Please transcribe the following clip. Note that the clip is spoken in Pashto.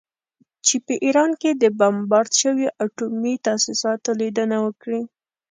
چې په ایران کې د بمبارد شویو اټومي تاسیساتو لیدنه وکړي